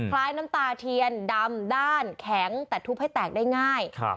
คล้ายน้ำตาเทียนดำด้านแข็งแต่ทุบให้แตกได้ง่าย